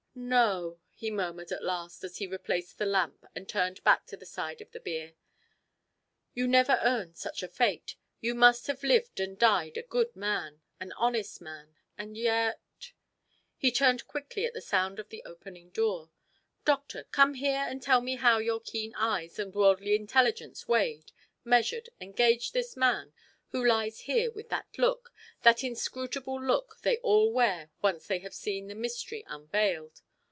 "No," he murmured at last, as he replaced the lamp and turned back to the side of the bier. "You never earned such a fate. You must have lived and died a good man; an honest man, and yet " He turned quickly at the sound of the opening door. "Doctor, come here and tell me how your keen eyes and worldly intelligence weighed, measured and gauged this man who lies here with that look, that inscrutable look they all wear once they have seen the mystery unveiled.